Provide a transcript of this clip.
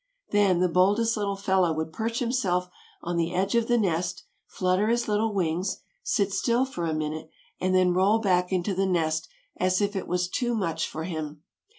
Then the boldest little fellow would perch himself on the edge of the nest, flutter his little wings, sit still for a minute, and then roll back into the nest as if it was too much for him.